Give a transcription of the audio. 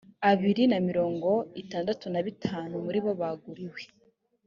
abiri na mirongo itandatu na bitanu muri bo baguriwe